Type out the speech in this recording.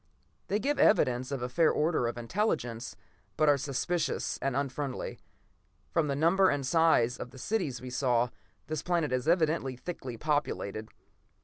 They give evidence of a fair order of intelligence, but are suspicious and unfriendly. From the number and size of the cities we saw, this planet is evidently thickly populated.